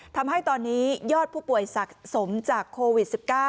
ทำให้ตอนนี้ยอดผู้ป่วยสะสมจากโควิด๑๙